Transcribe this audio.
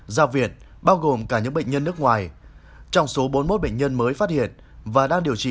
ra viện bao gồm cả những bệnh nhân nước ngoài trong số bốn mươi một bệnh nhân mới phát hiện và đang điều trị